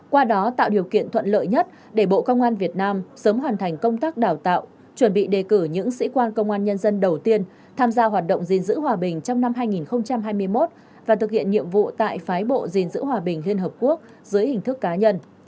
qua đó tạo điều kiện thuận lợi nhất để bộ công an việt nam sớm hoàn thành công tác đào tạo chuẩn bị đề cử những sĩ quan công an nhân dân đầu tiên tham gia hoạt động gìn giữ hòa bình trong năm hai nghìn hai mươi một và thực hiện nhiệm vụ tại phái bộ gìn giữ hòa bình liên hợp quốc dưới hình thức cá nhân